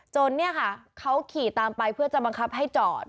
เนี่ยค่ะเขาขี่ตามไปเพื่อจะบังคับให้จอด